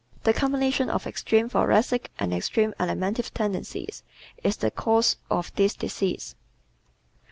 The combination of extreme Thoracic and extreme Alimentive tendencies is the cause of this disease.